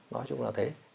nói chung là thế